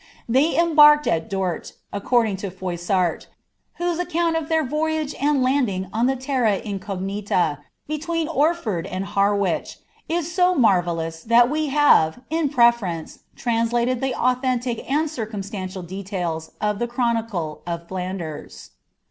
They embuied at Bon. according to Froissnrt, whose account of their voyage and Uadisg o* the terra inargnila between Orford and Harwich, is so marrelluiBii thu we have, in preference, translated the authentic and circuinsttnual duiiii of the chronicle of Flanders.